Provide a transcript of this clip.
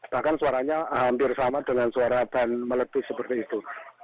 bahkan suaranya hampir sama dengan suara ban melebih seperti itu